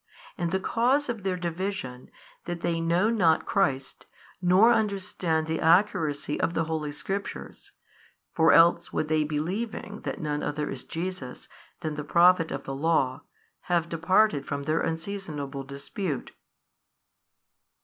And the cause of their division, that they know not Christ, nor understand the accuracy of the Holy Scriptures: for else would they believing that none other is Jesus than the Prophet of the Law, have departed from their unseasonable dispute.